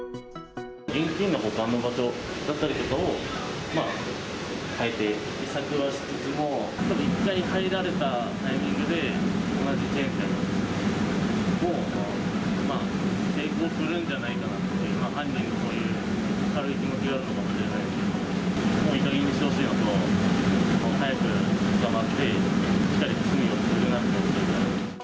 現金の保管の場所だったりとかを、変えて対策はしつつも、１回入られたタイミングで、同じチェーン店も成功するんじゃないかなっていう、犯人もそういう軽い気持ちなのかもしれないですけど、もういいかげんにしてほしいのと、早く捕まって、しっかり罪を償ってほしいなと。